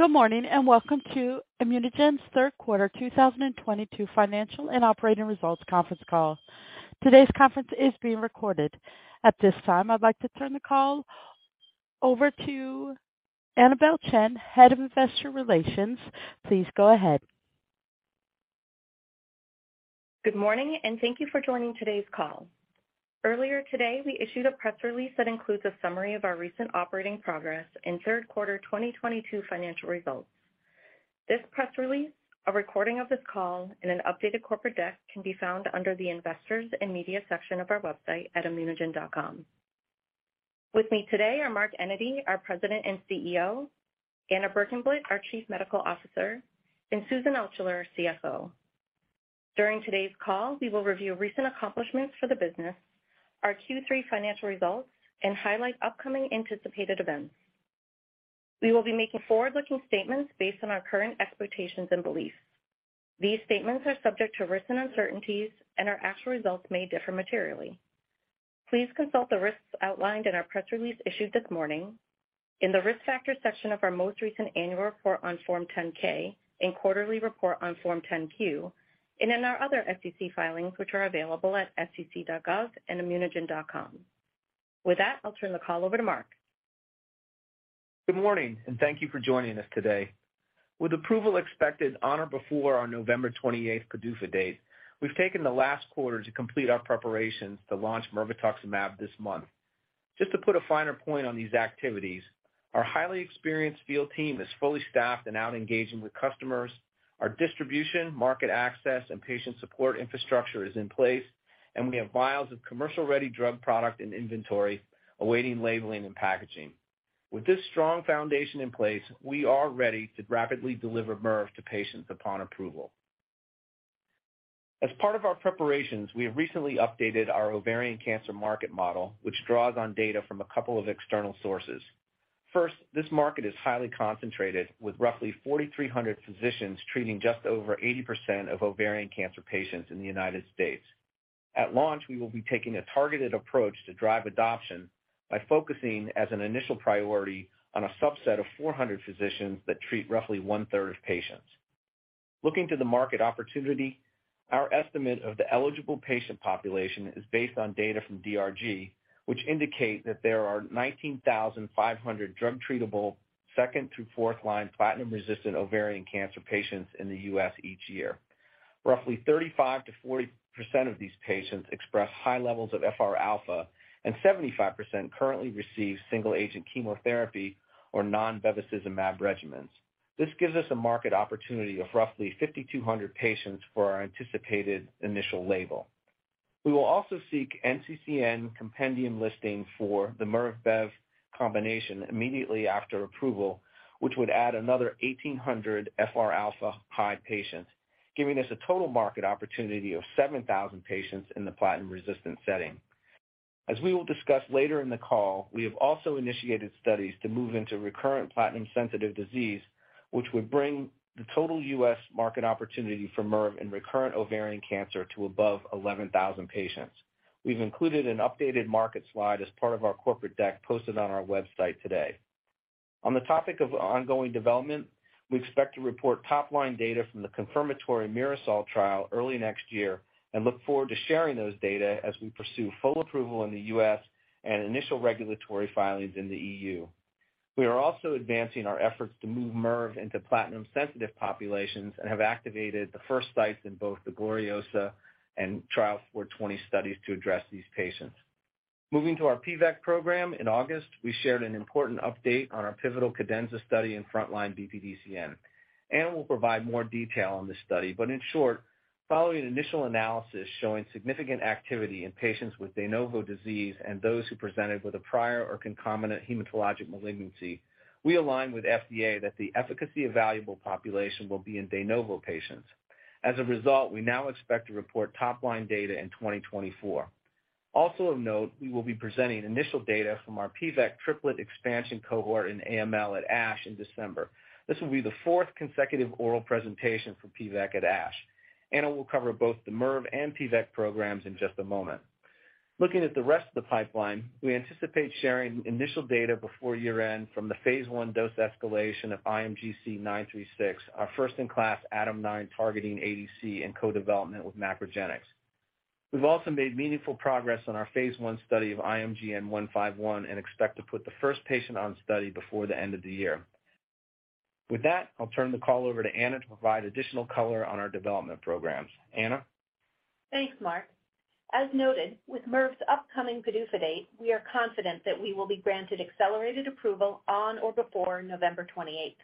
Good morning, and welcome to ImmunoGen's third quarter 2022 financial and operating results conference call. Today's conference is being recorded. At this time, I'd like to turn the call over to Anabel Chan, Head of Investor Relations. Please go ahead. Good morning, and thank you for joining today's call. Earlier today, we issued a press release that includes a summary of our recent operating progress and third-quarter 2022 financial results. This press release, a recording of this call, and an updated corporate deck can be found under the Investors and Media section of our website at immunogen.com. With me today are Mark Enyedy, our President and CEO; Anna Berkenblit, our Chief Medical Officer; and Susan Altschuller, CFO. During today's call, we will review recent accomplishments for the business, our Q3 financial results, and highlight upcoming anticipated events. We will be making forward-looking statements based on our current expectations and beliefs. These statements are subject to risks and uncertainties, and our actual results may differ materially. Please consult the risks outlined in our press release issued this morning, in the Risk Factors section of our most recent annual report on Form 10-K and quarterly report on Form 10-Q, and in our other SEC filings, which are available at sec.gov and immunogen.com. With that, I'll turn the call over to Mark. Good morning, and thank you for joining us today. With approval expected on or before our November 28th PDUFA date, we've taken the last quarter to complete our preparations to launch mirvetuximab this month. Just to put a finer point on these activities, our highly experienced field team is fully staffed and out engaging with customers. Our distribution, market access, and patient support infrastructure is in place, and we have vials of commercial-ready drug product and inventory awaiting labeling and packaging. With this strong foundation in place, we are ready to rapidly deliver mirv to patients upon approval. As part of our preparations, we have recently updated our ovarian cancer market model, which draws on data from a couple of external sources. First, this market is highly concentrated, with roughly 4,300 physicians treating just over 80% of ovarian cancer patients in the United States. At launch, we will be taking a targeted approach to drive adoption by focusing as an initial priority on a subset of 400 physicians that treat roughly one-third of patients. Looking to the market opportunity, our estimate of the eligible patient population is based on data from DRG, which indicate that there are 19,500 drug-treatable second through fourth line platinum-resistant ovarian cancer patients in the U.S. each year. Roughly 35%-40% of these patients express high levels of FR-alpha, and 75% currently receive single-agent chemotherapy or non-bevacizumab regimens. This gives us a market opportunity of roughly 5,200 patients for our anticipated initial label. We will also seek NCCN compendium listing for the mirv bev combination immediately after approval, which would add another 1,800 FRα high patients, giving us a total market opportunity of 7,000 patients in the platinum-resistant setting. As we will discuss later in the call, we have also initiated studies to move into recurrent platinum-sensitive disease, which would bring the total U.S. market opportunity for mirv in recurrent ovarian cancer to above 11,000 patients. We've included an updated market slide as part of our corporate deck posted on our website today. On the topic of ongoing development, we expect to report top-line data from the confirmatory MIRASOL trial early next year and look forward to sharing those data as we pursue full approval in the U.S. and initial regulatory filings in the EU. We are also advancing our efforts to move mirv into platinum-sensitive populations and have activated the first sites in both the GLORIOSA and Trial 0420 studies to address these patients. Moving to our PVEK program, in August, we shared an important update on our pivotal CADENZA study in frontline BPDCN. Anna will provide more detail on this study, but in short, following initial analysis showing significant activity in patients with de novo disease and those who presented with a prior or concomitant hematologic malignancy, we align with FDA that the efficacy evaluable population will be in de novo patients. As a result, we now expect to report top-line data in 2024. Also of note, we will be presenting initial data from our PVEK triplet expansion cohort in AML at ASH in December. This will be the fourth consecutive oral presentation for PVEK at ASH. Anna will cover both the mirv and PVEK programs in just a moment. Looking at the rest of the pipeline, we anticipate sharing initial data before year-end from the phase I dose escalation of IMGC936, our first-in-class ADAM9 targeting ADC in co-development with MacroGenics. We've also made meaningful progress on our phase I study of IMGN151 and expect to put the first patient on study before the end of the year. With that, I'll turn the call over to Anna to provide additional color on our development programs. Anna? Thanks, Mark. As noted, with mirv's upcoming PDUFA date, we are confident that we will be granted accelerated approval on or before November 28th.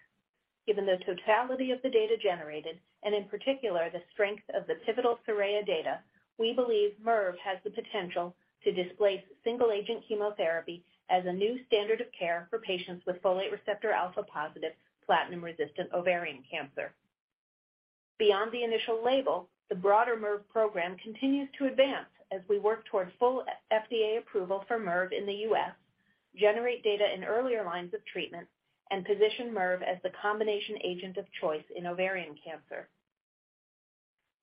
Given the totality of the data generated and in particular the strength of the pivotal SORAYA data, we believe mirv has the potential to displace single-agent chemotherapy as a new standard of care for patients with folate receptor alpha-positive platinum-resistant ovarian cancer. Beyond the initial label, the broader mirv program continues to advance as we work towards full FDA approval for mirv in the U.S., generate data in earlier lines of treatment, and position mirv as the combination agent of choice in ovarian cancer.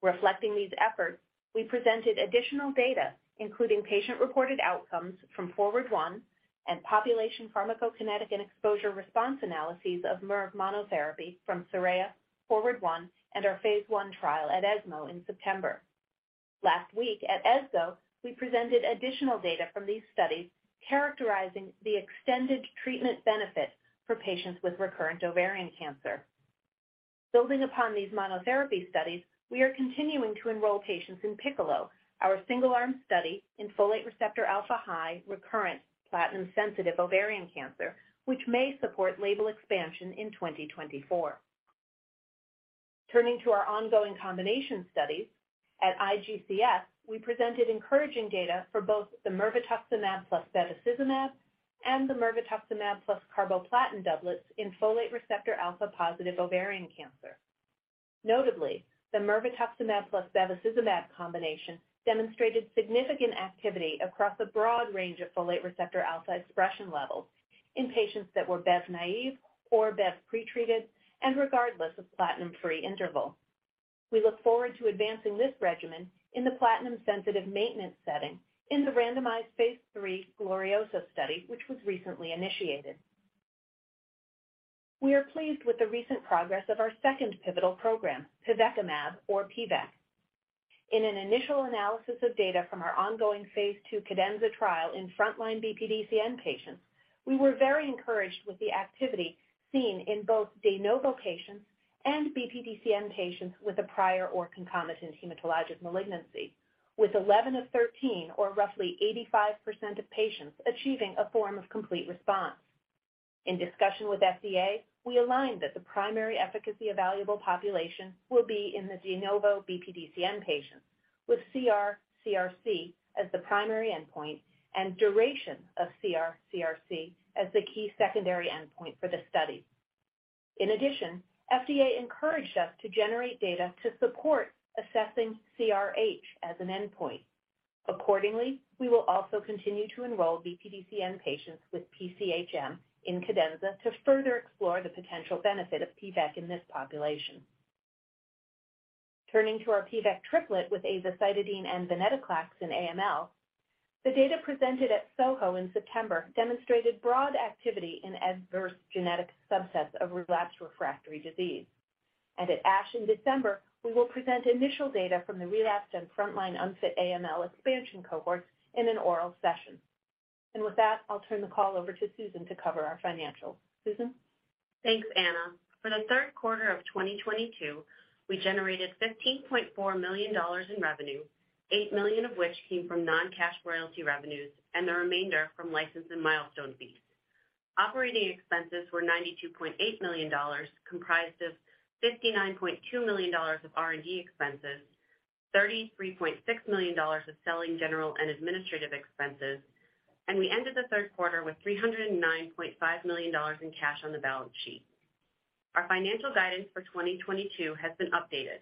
Reflecting these efforts, we presented additional data, including patient-reported outcomes from FORWARD I and population pharmacokinetic and exposure response analyses of mirvetuximab monotherapy from SORAYA, FORWARD I, and our phase I trial at ESMO in September. Last week at ESGO, we presented additional data from these studies characterizing the extended treatment benefit for patients with recurrent ovarian cancer. Building upon these monotherapy studies, we are continuing to enroll patients in PICCOLO, our single-arm study in folate receptor alpha-high recurrent platinum-sensitive ovarian cancer, which may support label expansion in 2024. Turning to our ongoing combination studies. At IGCS, we presented encouraging data for both the mirvetuximab plus bevacizumab and the mirvetuximab plus carboplatin doublets in folate receptor alpha-positive ovarian cancer. Notably, the mirvetuximab plus bevacizumab combination demonstrated significant activity across a broad range of folate receptor alpha expression levels in patients that were Bev naive or Bev pretreated and regardless of platinum-free interval. We look forward to advancing this regimen in the platinum-sensitive maintenance setting in the randomized phase III GLORIOSA study, which was recently initiated. We are pleased with the recent progress of our second pivotal program, pivekimab sunirine or PVEK. In an initial analysis of data from our ongoing phase II CADENZA trial in frontline BPDCN patients, we were very encouraged with the activity seen in both de novo patients and BPDCN patients with a prior or concomitant hematologic malignancy, with 11 of 13 or roughly 85% of patients achieving a form of complete response. In discussion with FDA, we aligned that the primary efficacy evaluable population will be in the de novo BPDCN patients with CR/CRc as the primary endpoint and duration of CR/CRc as the key secondary endpoint for the study. In addition, FDA encouraged us to generate data to support assessing CRh as an endpoint. Accordingly, we will also continue to enroll BPDCN patients with PCHM in CADENZA to further explore the potential benefit of PVEK in this population. Turning to our PVEK triplet with azacitidine and venetoclax in AML. The data presented at SOHO in September demonstrated broad activity in adverse genetic subsets of relapsed refractory disease. At ASH in December, we will present initial data from the relapsed and frontline unfit AML expansion cohorts in an oral session. With that, I'll turn the call over to Susan to cover our financials. Susan? Thanks, Anna. For the third quarter of 2022, we generated $15.4 million in revenue, $8 million of which came from non-cash royalty revenues and the remainder from license and milestone fees. Operating expenses were $92.8 million, comprised of $59.2 million of R&D expenses, $33.6 million of selling, general, and administrative expenses. We ended the third quarter with $309.5 million in cash on the balance sheet. Our financial guidance for 2022 has been updated,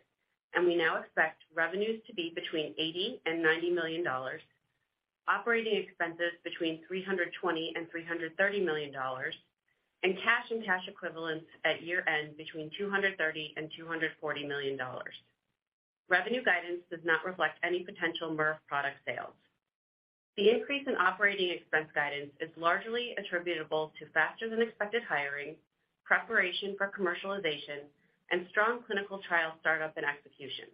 and we now expect revenues to be between $80 million and $90 million, operating expenses between $320 million and $330 million, and cash and cash equivalents at year-end between $230 million and $240 million. Revenue guidance does not reflect any potential mirvetuximab product sales. The increase in operating expense guidance is largely attributable to faster-than-expected hiring, preparation for commercialization, and strong clinical trial startup and execution.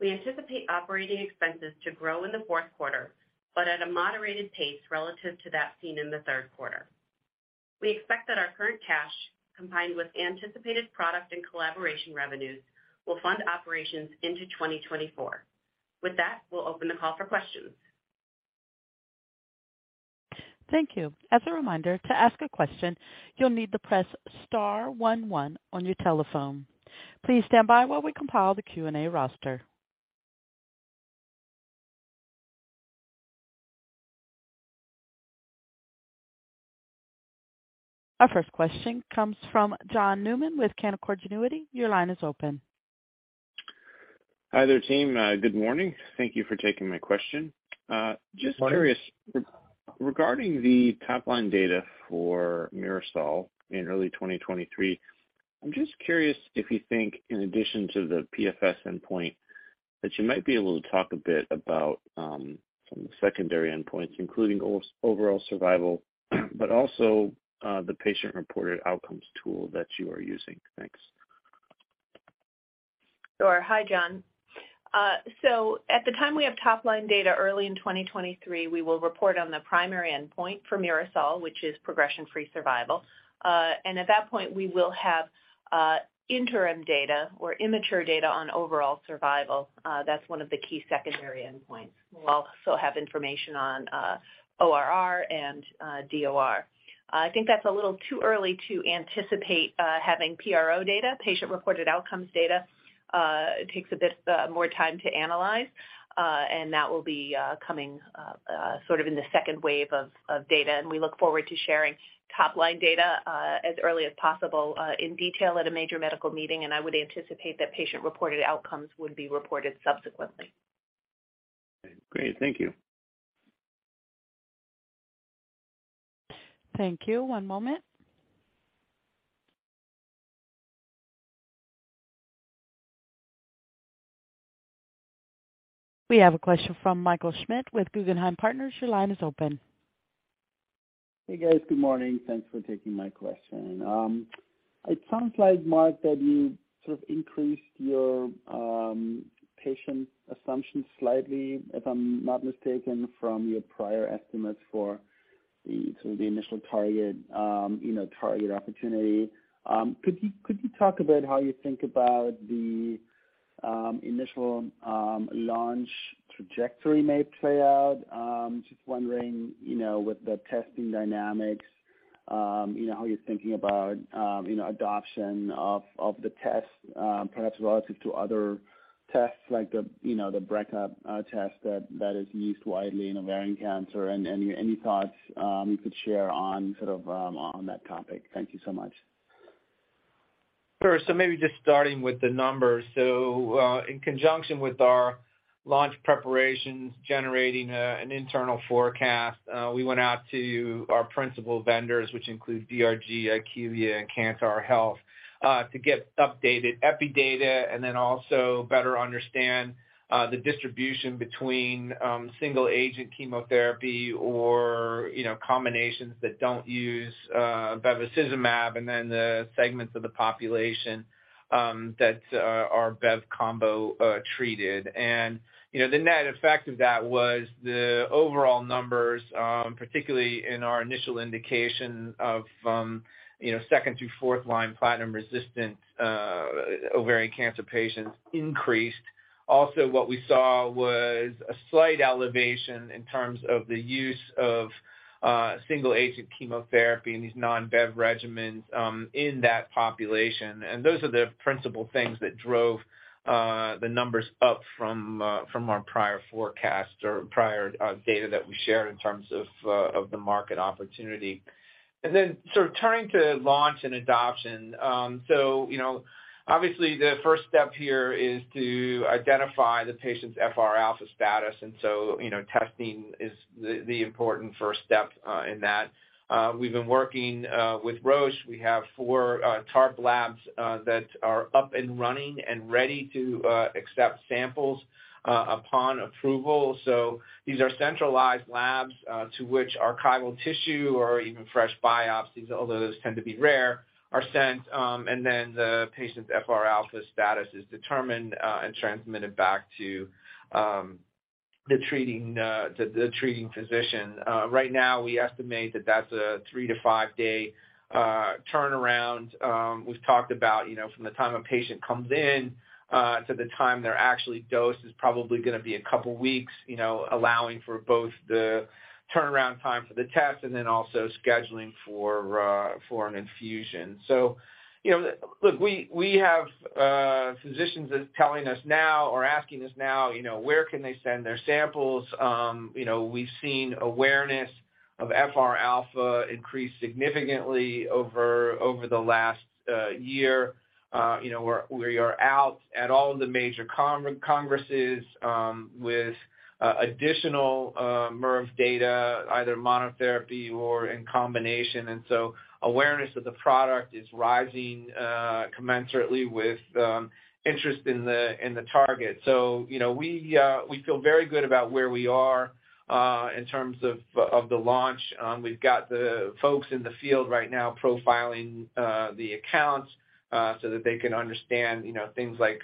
We anticipate operating expenses to grow in the fourth quarter, but at a moderated pace relative to that seen in the third quarter. We expect that our current cash, combined with anticipated product and collaboration revenues, will fund operations into 2024. With that, we'll open the call for questions. Thank you. As a reminder, to ask a question, you'll need to press star one one on your telephone. Please stand by while we compile the Q&A roster. Our first question comes from John Newman with Canaccord Genuity. Your line is open. Hi there, team. Good morning. Thank you for taking my question. Morning Just curious, regarding the top-line data for MIRASOL in early 2023, I'm just curious if you think, in addition to the PFS endpoint, that you might be able to talk a bit about some of the secondary endpoints, including overall survival, but also the patient-reported outcomes tool that you are using. Thanks. Sure. Hi, John. At the time we have top-line data early in 2023, we will report on the primary endpoint for MIRASOL, which is progression-free survival. At that point, we will have interim data or immature data on overall survival. That's one of the key secondary endpoints. We'll also have information on ORR and DOR. I think that's a little too early to anticipate having PRO data. Patient-reported outcomes data takes a bit more time to analyze. That will be coming sort of in the second wave of data, and we look forward to sharing top-line data as early as possible in detail at a major medical meeting, and I would anticipate that patient-reported outcomes would be reported subsequently. Great. Thank you. Thank you. One moment. We have a question from Michael Schmidt with Guggenheim Partners. Your line is open. Hey, guys. Good morning. Thanks for taking my question. It sounds like, Mark, that you sort of increased your patient assumptions slightly, if I'm not mistaken, from your prior estimates for the sort of the initial target, you know, target opportunity. Could you talk about how you think about the initial launch trajectory may play out? Just wondering, you know, with the testing dynamics, you know, how you're thinking about, you know, adoption of the test, perhaps relative to other tests like the, you know, the BRCA test that is used widely in ovarian cancer. Any thoughts you could share on sort of on that topic? Thank you so much. Sure. Maybe just starting with the numbers. In conjunction with our launch preparations generating an internal forecast, we went out to our principal vendors, which include DRG, IQVIA, and Kantar Health, to get updated epi data and then also better understand the distribution between single agent chemotherapy or, you know, combinations that don't use bevacizumab, and then the segments of the population that are bev combo treated. You know, the net effect of that was the overall numbers, particularly in our initial indication of, you know, second through fourth line platinum-resistant ovarian cancer patients increased. Also what we saw was a slight elevation in terms of the use of single agent chemotherapy and these non-bev regimens in that population. Those are the principal things that drove the numbers up from our prior forecast or prior data that we shared in terms of the market opportunity. Sort of turning to launch and adoption, you know, obviously the first step here is to identify the patient's FR alpha status, and so, you know, testing is the important first step in that. We've been working with Roche. We have four TARP labs that are up and running and ready to accept samples upon approval. These are centralized labs to which archival tissue or even fresh biopsies, although those tend to be rare, are sent, and then the patient's FR alpha status is determined and transmitted back to the treating physician. Right now we estimate that that's a three to five-day turnaround. We've talked about, you know, from the time a patient comes in to the time they're actually dosed is probably gonna be a couple weeks, you know, allowing for both the turnaround time for the test and then also scheduling for an infusion. You know, look, we have physicians telling us now or asking us now, you know, where can they send their samples. You know, we've seen awareness of FR-alpha increase significantly over the last year. You know, we're out at all of the major congresses with additional mirv data, either monotherapy or in combination. Awareness of the product is rising commensurately with interest in the target. You know, we feel very good about where we are in terms of the launch. We've got the folks in the field right now profiling the accounts so that they can understand, you know, things like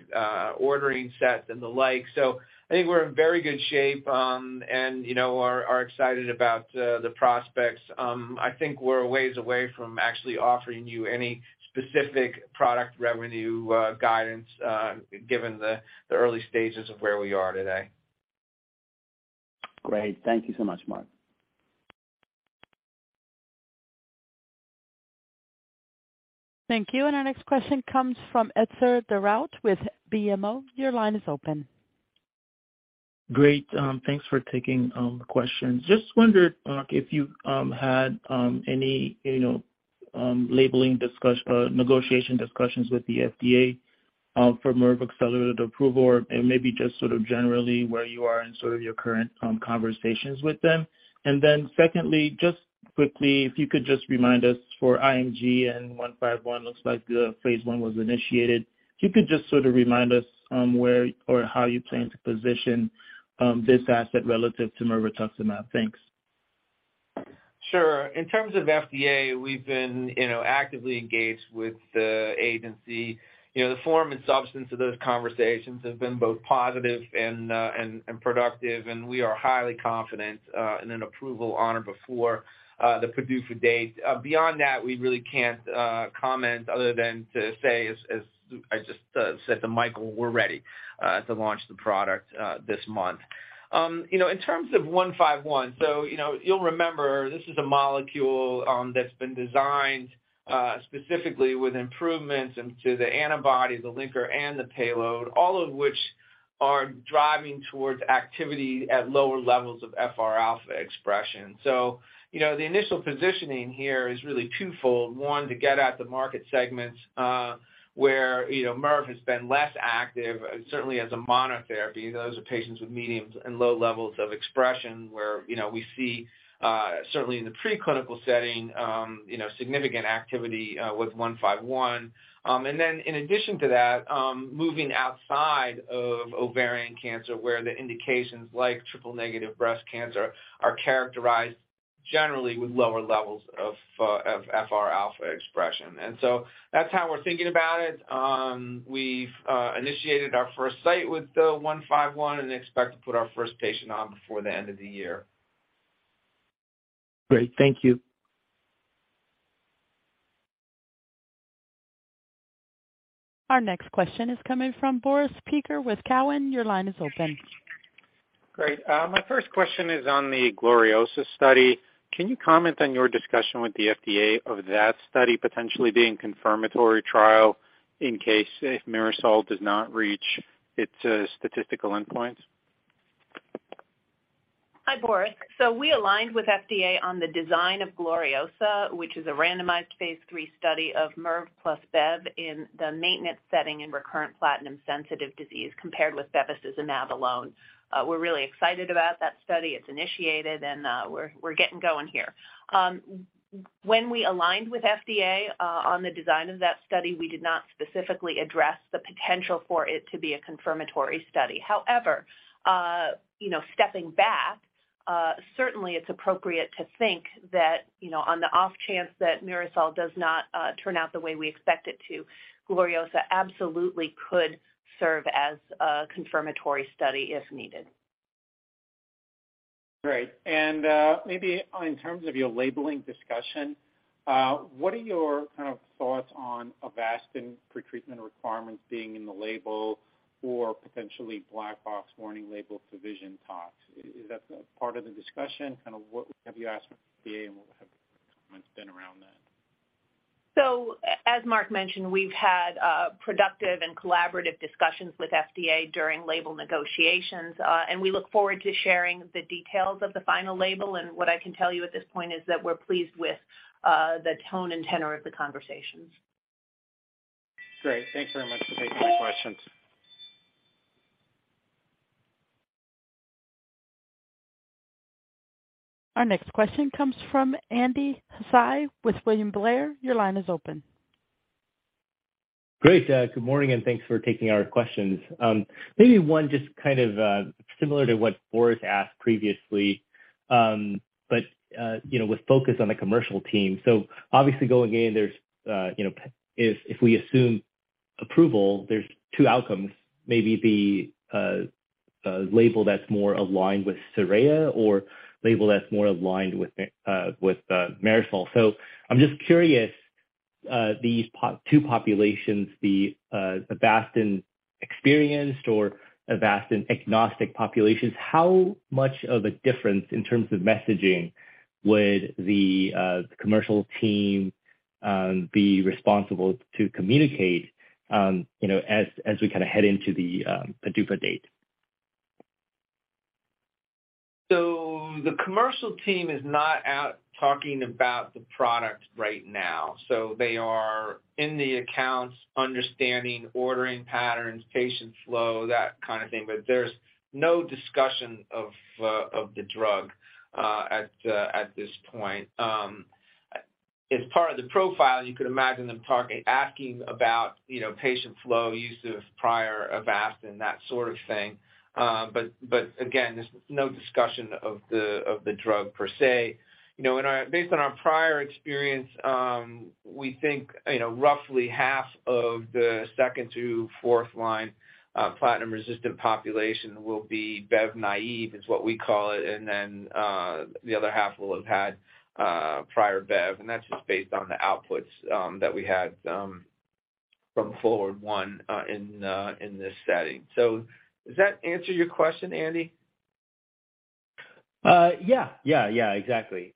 ordering sets and the like. I think we're in very good shape, and you know, are excited about the prospects. I think we're a ways away from actually offering you any specific product revenue guidance given the early stages of where we are today. Great. Thank you so much, Mark. Thank you. Our next question comes from Etzer Darout with BMO. Your line is open. Great. Thanks for taking the question. Just wondered if you had any, you know, negotiation discussions with the FDA for mirv accelerated approval or maybe just sort of generally where you are in sort of your current conversations with them. Secondly, just quickly, if you could just remind us for IMGN151, looks like the phase I was initiated. If you could just sort of remind us where or how you plan to position this asset relative to mirvetuximab. Thanks. Sure. In terms of FDA, we've been, you know, actively engaged with the agency. You know, the form and substance of those conversations have been both positive and productive, and we are highly confident in an approval on or before the PDUFA date. Beyond that, we really can't comment other than to say, as I just said to Michael, we're ready to launch the product this month. You know, in terms of IMGN151, you know, you'll remember this is a molecule that's been designed specifically with improvements into the antibody, the linker and the payload, all of which are driving towards activity at lower levels of FR alpha expression. You know, the initial positioning here is really twofold. One, to get at the market segments, where, you know, mirv has been less active, certainly as a monotherapy. Those are patients with medium and low levels of expression where, you know, we see, certainly in the preclinical setting, you know, significant activity, with 151. And then in addition to that, moving outside of ovarian cancer, where the indications like triple-negative breast cancer are characterized generally with lower levels of FRα expression. That's how we're thinking about it. We've initiated our first site with the 151 and expect to put our first patient on before the end of the year. Great. Thank you. Our next question is coming from Boris Peaker with Cowen. Your line is open. Great. My first question is on the GLORIOSA study. Can you comment on your discussion with the FDA of that study potentially being confirmatory trial in case if MIRASOL does not reach its statistical endpoints? Hi, Boris. We aligned with FDA on the design of GLORIOSA, which is a randomized phase III study of mirvetuximab plus Bev in the maintenance setting and recurrent platinum-sensitive disease compared with bevacizumab alone. We're really excited about that study. It's initiated, and we're getting going here. When we aligned with FDA on the design of that study, we did not specifically address the potential for it to be a confirmatory study. However, you know, stepping back, certainly it's appropriate to think that, you know, on the off chance that MIRASOL does not turn out the way we expect it to, GLORIOSA absolutely could serve as a confirmatory study if needed. Great. Maybe in terms of your labeling discussion, what are your kind of thoughts on Avastin pretreatment requirements being in the label or potentially black box warning label to vision tox? Is that part of the discussion? Kind of what have you asked from the FDA and what have comments been around that? As Mark mentioned, we've had productive and collaborative discussions with FDA during label negotiations, and we look forward to sharing the details of the final label. What I can tell you at this point is that we're pleased with the tone and tenor of the conversations. Great. Thanks very much for taking my questions. Our next question comes from Andy Hsieh with William Blair. Your line is open. Great. Good morning, and thanks for taking our questions. Maybe one just kind of similar to what Boris asked previously, but you know, with focus on the commercial team. Obviously going in there's you know, if we assume approval, there are two outcomes, maybe the label that's more aligned with SORAYA or label that's more aligned with MIRASOL. I'm just curious, these two populations, the Avastin experienced or Avastin-agnostic populations, how much of a difference in terms of messaging would the commercial team be responsible to communicate, you know, as we kind of head into the PDUFA date? The commercial team is not out talking about the product right now, so they are in the accounts understanding, ordering patterns, patient flow, that kind of thing. There's no discussion of the drug at this point. As part of the profile, you could imagine them talking, asking about, you know, patient flow, use of prior Avastin, that sort of thing. Again, there's no discussion of the drug per se. You know, based on our prior experience, we think, you know, roughly half of the second to fourth line platinum-resistant population will be Bev naive, is what we call it, and then the other half will have had prior Bev. That's just based on the outputs that we had from FORWARD I in this setting. Does that answer your question, Andy? Yeah, exactly.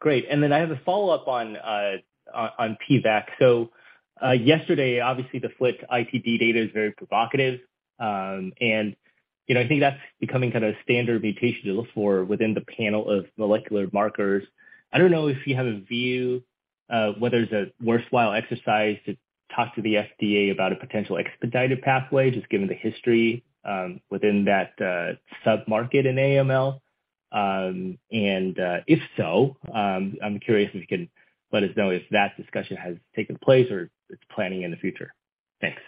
Great. I have a follow-up on PVEK. Yesterday, obviously the FLT3-ITD data is very provocative. You know, I think that's becoming kind of standard mutation to look for within the panel of molecular markers. I don't know if you have a view of whether it's a worthwhile exercise to talk to the FDA about a potential expedited pathway, just given the history within that sub-market in AML. If so, I'm curious if you can let us know if that discussion has taken place or it's planning in the future. Thanks.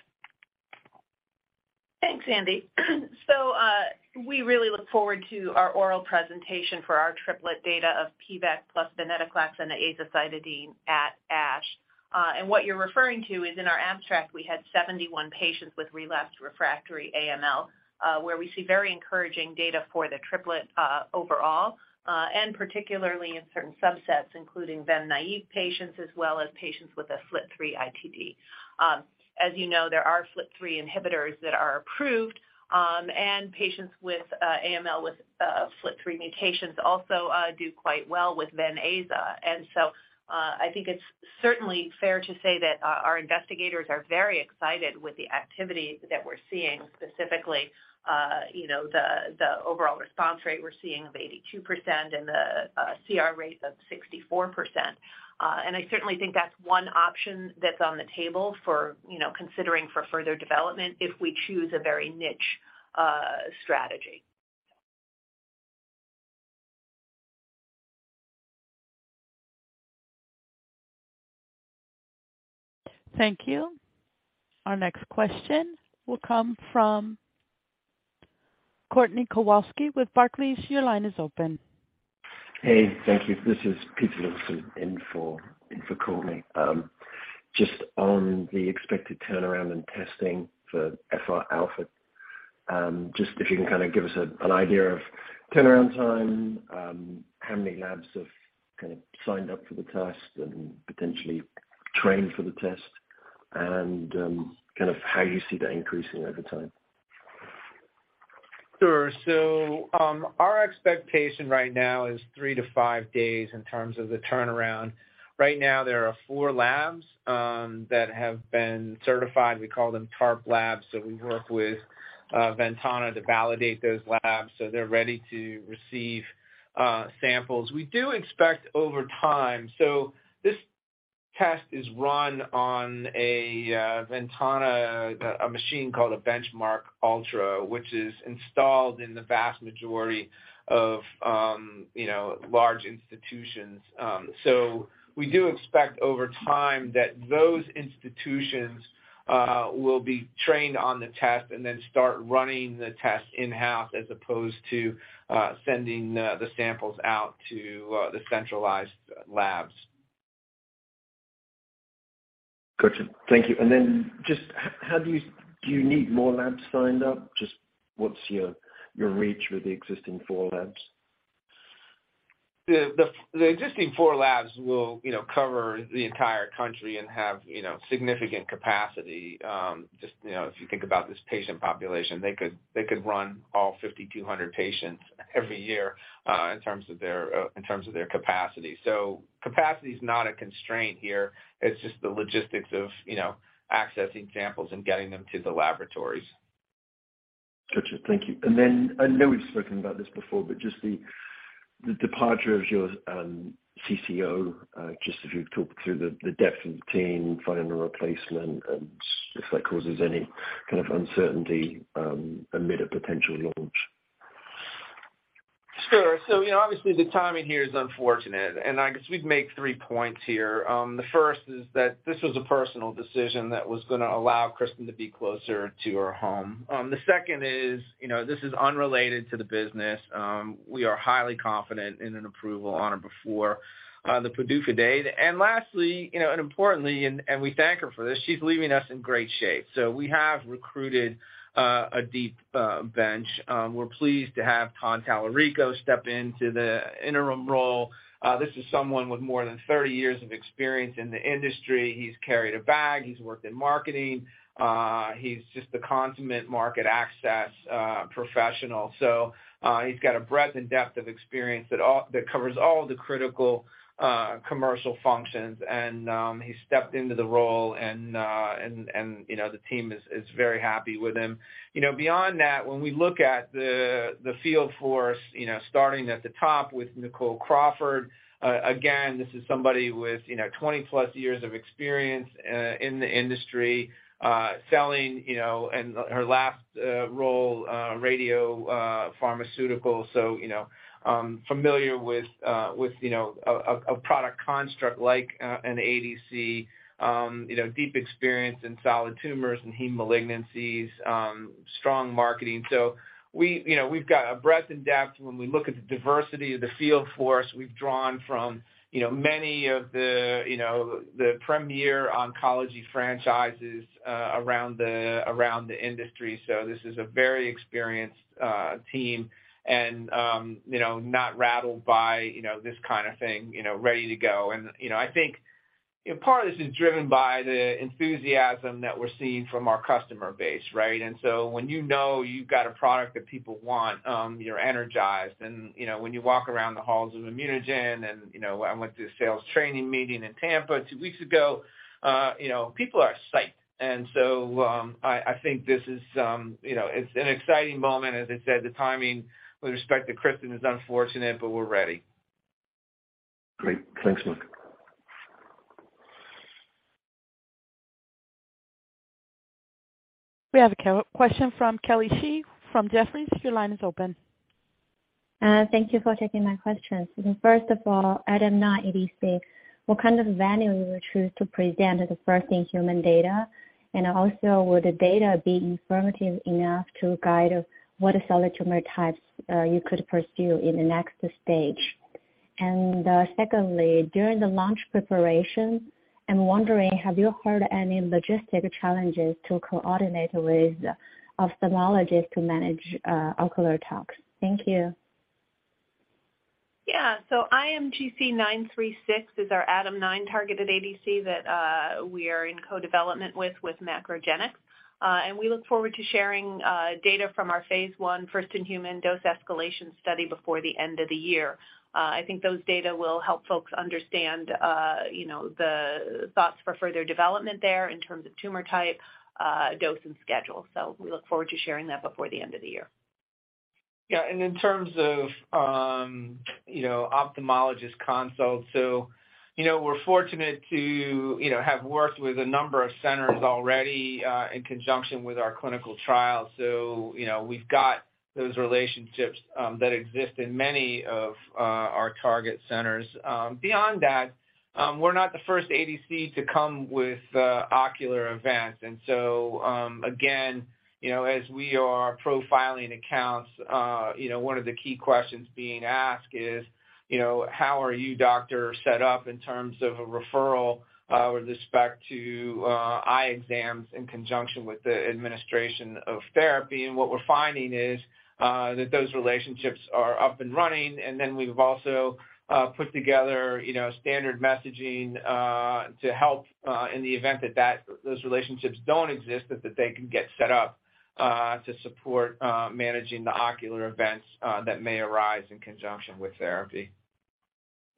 Thanks, Andy. We really look forward to our oral presentation for our triplet data of PVEK plus Venetoclax and Azacitidine at ASH. What you're referring to is, in our abstract, we had 71 patients with relapsed refractory AML, where we see very encouraging data for the triplet overall and particularly in certain subsets, including Ven-naive patients as well as patients with a FLT3-ITD. As you know, there are FLT3 inhibitors that are approved, and patients with AML with FLT3 mutations also do quite well with VenAza. I think it's certainly fair to say that our investigators are very excited with the activity that we're seeing, specifically, you know, the overall response rate we're seeing of 82% and the CR rate of 64%. I certainly think that's one option that's on the table for, you know, considering for further development if we choose a very niche. Strategy. Thank you. Our next question will come from Courtney O'Konek with Barclays. Your line is open. Hey, thank you. This is Peter Livingston in for Courtney. Just on the expected turnaround in testing for FRα. Just if you can kind of give us an idea of turnaround time, how many labs have kind of signed up for the test and potentially trained for the test and kind of how you see that increasing over time. Sure. Our expectation right now is three to five days in terms of the turnaround. Right now there are four labs that have been certified. We call them TARP labs. We work with Ventana to validate those labs, so they're ready to receive samples. We do expect over time. This test is run on a Ventana machine called a BenchMark ULTRA, which is installed in the vast majority of you know large institutions. We do expect over time that those institutions will be trained on the test and then start running the test in-house as opposed to sending the samples out to the centralized labs. Gotcha. Thank you. Do you need more labs signed up? Just what's your reach with the existing four labs? The existing four labs will, you know, cover the entire country and have, you know, significant capacity. Just, you know, if you think about this patient population, they could run all 5,200 patients every year, in terms of their capacity. Capacity is not a constraint here. It's just the logistics of, you know, accessing samples and getting them to the laboratories. Got you. Thank you. Then I know we've spoken about this before, but just the departure of your CCO, just if you could talk through the depth of the team finding a replacement and if that causes any kind of uncertainty, amid a potential launch? Sure. You know, obviously the timing here is unfortunate, and I guess we'd make three points here. The first is that this was a personal decision that was gonna allow Kristen to be closer to her home. The second is, you know, this is unrelated to the business. We are highly confident in an approval on or before the PDUFA date. Lastly, you know, importantly, we thank her for this, she's leaving us in great shape. We have recruited a deep bench. We're pleased to have Todd Talarico step into the interim role. This is someone with more than 30 years of experience in the industry. He's carried a bag. He's worked in marketing. He's just a consummate market access professional. He's got a breadth and depth of experience that covers all the critical commercial functions. He stepped into the role, and you know, the team is very happy with him. You know, beyond that, when we look at the field force, you know, starting at the top with Nicole Crawford, again, this is somebody with you know 20-plus years of experience in the industry selling, you know, and her last role in radiopharmaceuticals. You know familiar with you know a product construct like an ADC you know deep experience in solid tumors and heme malignancies strong marketing. We, you know, we've got a breadth and depth when we look at the diversity of the field force we've drawn from, you know, many of the, you know, the premier oncology franchises around the industry. This is a very experienced team and, you know, not rattled by, you know, this kind of thing, you know, ready to go. I think, you know, part of this is driven by the enthusiasm that we're seeing from our customer base, right? When you know you've got a product that people want, you're energized. When you walk around the halls of ImmunoGen and, you know, I went to a sales training meeting in Tampa two weeks ago, you know, people are psyched. I think this is, you know, it's an exciting moment. As I said, the timing with respect to Kristen is unfortunate, but we're ready. Great. Thanks, Mike. We have a question from Kelly Shi from Jefferies. Your line is open. Thank you for taking my questions. First of all, ADAM9 ADC, what kind of value would you choose to present as a first-in-human data? Also, would the data be informative enough to guide what solid tumor types you could pursue in the next stage? Secondly, during the launch preparation, I'm wondering, have you heard any logistic challenges to coordinate with ophthalmologist to manage ocular tox? Thank you. IMGC936 is our ADAM9 targeted ADC that we are in co-development with MacroGenics. We look forward to sharing data from our phase I first-in-human dose escalation study before the end of the year. I think those data will help folks understand the thoughts for further development there in terms of tumor type, dose, and schedule. We look forward to sharing that before the end of the year. In terms of ophthalmologist consults, we're fortunate to have worked with a number of centers already in conjunction with our clinical trial. We've got those relationships that exist in many of our target centers. Beyond that, we're not the first ADC to come with ocular events. Again, you know, as we are profiling accounts, you know, one of the key questions being asked is, you know, how are your doctors set up in terms of a referral, with respect to, eye exams in conjunction with the administration of therapy? What we're finding is that those relationships are up and running. We've also put together, you know, standard messaging to help in the event that those relationships don't exist, but that they can get set up to support managing the ocular events that may arise in conjunction with therapy.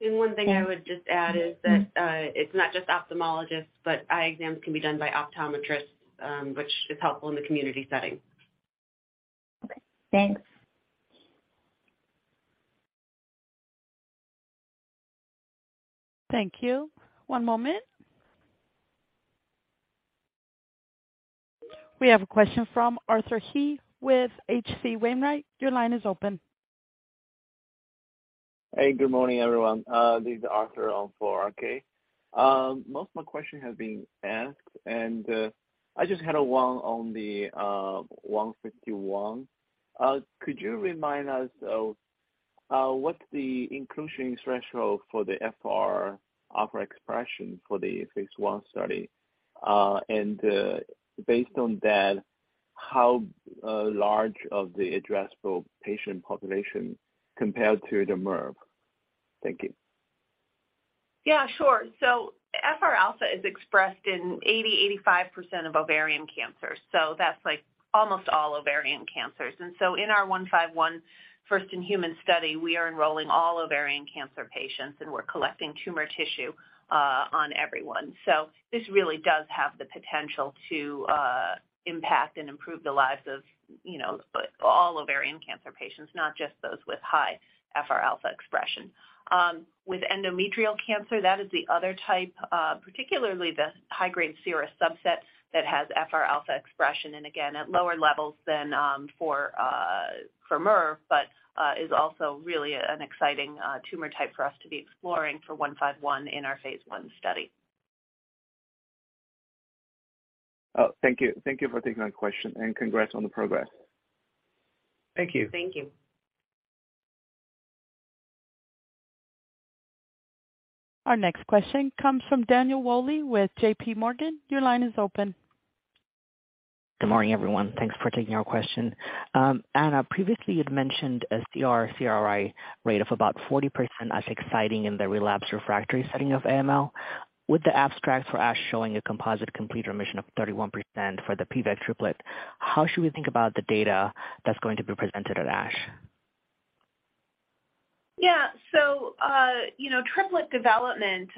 One thing I would just add is that it's not just ophthalmologists, but eye exams can be done by optometrists, which is helpful in the community setting. Okay. Thanks. Thank you. One moment. We have a question from Arthur He with H.C. Wainwright. Your line is open. Hey, good morning, everyone. This is Arthur one for R.K. Most of my questions have been asked, and I just had one on the IMGN151. Could you remind us of what the inclusion threshold for the FR alpha expression for the phase I study? Based on that, how large of the addressable patient population compared to the mirvetuximab? Thank you. Yeah, sure. FR alpha is expressed in 80%-85% of ovarian cancers, so that's like almost all ovarian cancers. In our 151 first-in-human study, we are enrolling all ovarian cancer patients, and we're collecting tumor tissue on everyone. This really does have the potential to impact and improve the lives of, you know, all ovarian cancer patients, not just those with high FR alpha expression. With endometrial cancer, that is the other type, particularly the high-grade serous subset that has FR alpha expression, and again, at lower levels than for mir, but is also really an exciting tumor type for us to be exploring for 151 in our phase I study. Oh, thank you. Thank you for taking my question, and congrats on the progress. Thank you. Thank you. Our next question comes from Daniel Wolle with JPMorgan. Your line is open. Good morning, everyone. Thanks for taking our question. Anna, previously you'd mentioned a CR/CRi rate of about 40% as exciting in the relapsed refractory setting of AML. With the abstracts for ASH showing a composite complete remission of 31% for the PVEK triplet, how should we think about the data that's going to be presented at ASH? Yeah. You know, triplet development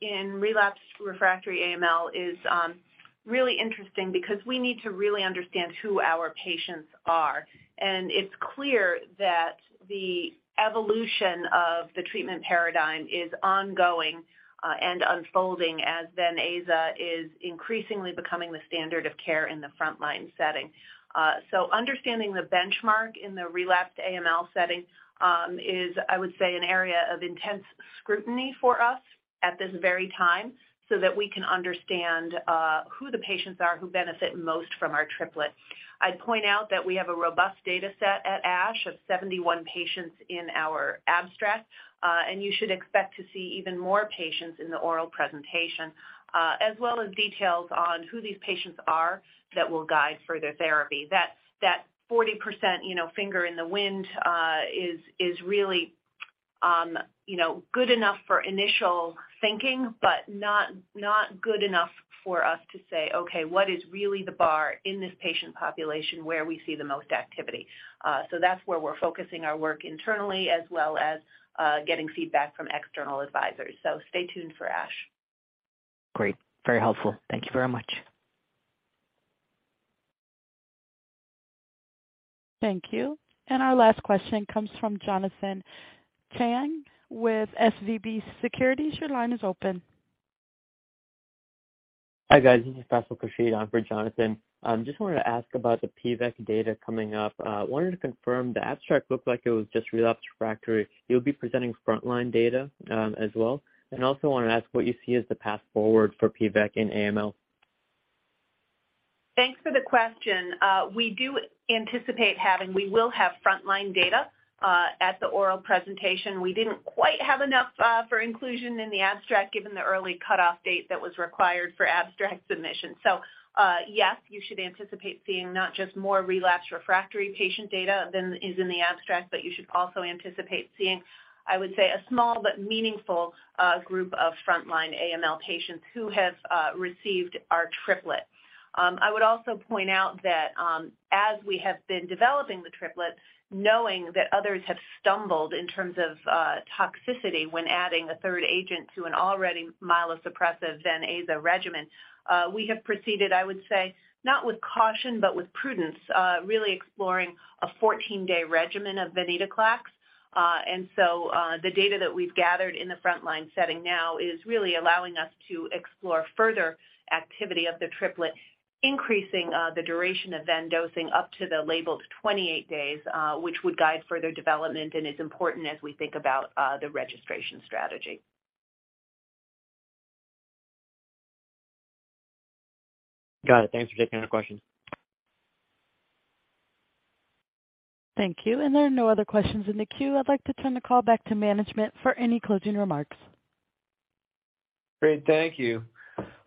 in relapsed refractory AML is really interesting because we need to really understand who our patients are. It's clear that the evolution of the treatment paradigm is ongoing and unfolding as VenAza is increasingly becoming the standard of care in the frontline setting. Understanding the benchmark in the relapsed AML setting is, I would say, an area of intense scrutiny for us at this very time, so that we can understand who the patients are who benefit most from our triplet. I'd point out that we have a robust data set at ASH of 71 patients in our abstract, and you should expect to see even more patients in the oral presentation, as well as details on who these patients are that will guide further therapy. That 40%, you know, finger in the wind, is really, you know, good enough for initial thinking, but not good enough for us to say, okay, what is really the bar in this patient population where we see the most activity? That's where we're focusing our work internally as well as getting feedback from external advisors. Stay tuned for ASH. Great. Very helpful. Thank you very much. Thank you. Our last question comes from Jonathan Chang with SVB Securities. Your line is open. Hi, guys. This is Faisal Khurshid on for Jonathan Chang. Just wanted to ask about the PVEK data coming up. Wanted to confirm the abstract looked like it was just relapsed refractory. You'll be presenting frontline data as well? And also wanna ask what you see as the path forward for PVEK in AML. Thanks for the question. We will have frontline data at the oral presentation. We didn't quite have enough for inclusion in the abstract, given the early cutoff date that was required for abstract submission. Yes, you should anticipate seeing not just more relapsed refractory patient data than is in the abstract, but you should also anticipate seeing, I would say, a small but meaningful group of frontline AML patients who have received our triplet. I would also point out that, as we have been developing the triplet, knowing that others have stumbled in terms of toxicity when adding a third agent to an already myelosuppressive VenAza regimen, we have proceeded, I would say, not with caution, but with prudence, really exploring a 14-day regimen of venetoclax. The data that we've gathered in the frontline setting now is really allowing us to explore further activity of the triplet, increasing the duration of ven dosing up to the labeled 28 days, which would guide further development and is important as we think about the registration strategy. Got it. Thanks for taking our questions. Thank you. There are no other questions in the queue. I'd like to turn the call back to management for any closing remarks. Great. Thank you.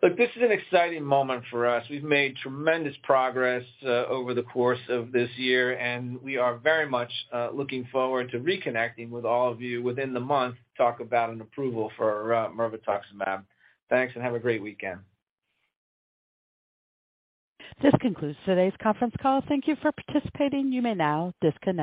Look, this is an exciting moment for us. We've made tremendous progress over the course of this year, and we are very much looking forward to reconnecting with all of you within the month to talk about an approval for mirvetuximab. Thanks, and have a great weekend. This concludes today's conference call. Thank you for participating. You may now disconnect.